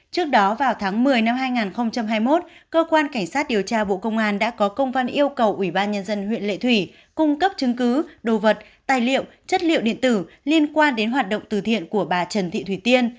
trước đó vào tháng một mươi năm hai nghìn hai mươi một cơ quan cảnh sát điều tra bộ công an đã có công văn yêu cầu ủy ban nhân dân huyện lệ thủy cung cấp chứng cứ đồ vật tài liệu chất liệu điện tử liên quan đến hoạt động từ thiện của bà trần thị thủy tiên